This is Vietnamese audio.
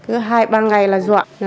cứ hai ba ngày là dọn